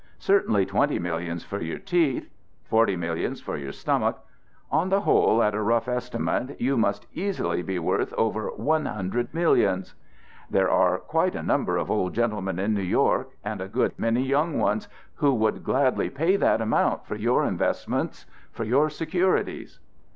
Certainly twenty millions for your teeth. Forty millions for your stomach. On the whole, at a rough estimate you must easily be worth over one hundred millions. There are quite a number of old gentlemen in New York, and a good many young ones, who would gladly pay that amount for your investments, for your securities."